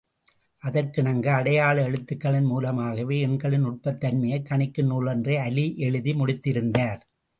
அதற்கிணங்க அடையாள எழுத்துக்களின் மூலமாகவே எண்களின் நுட்பத்தன்மையைக் கணிக்கும் நூலொன்றை அலி எழுதி முடித்திருந்தார்.